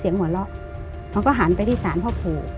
เสียงหัวเราะมันก็หาลไปที่ศาลพ่อปู่